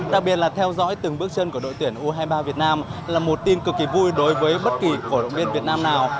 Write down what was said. đặc biệt là theo dõi từng bước chân của đội tuyển u hai mươi ba việt nam là một tin cực kỳ vui đối với bất kỳ cổ động viên việt nam nào